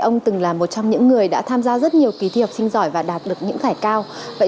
ông từng là một trong những người đã tham gia rất nhiều kỳ thi học sinh giỏi và đạt được những giải cao